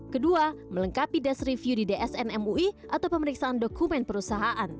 kedua melengkapi desk review di dsn mui atau pemeriksaan dokumen perusahaan